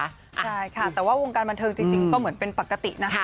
ใช่ค่ะแต่ว่าวงการบันเทิงจริงก็เหมือนเป็นปกตินะ